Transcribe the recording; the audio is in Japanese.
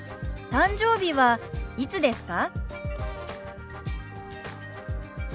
誕生日はいつですか？